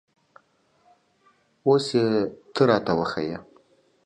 اوس یې ته را ته وښیه